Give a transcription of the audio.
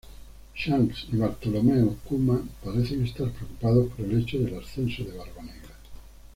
Shanks y Bartholomew Kuma parecen estar preocupados por el hecho del ascenso de Barbanegra.